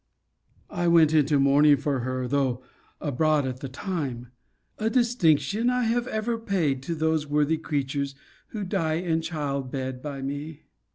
I went into mourning for her, though abroad at the time. A distinction I have ever paid to those worthy creatures who dies in childbed by me.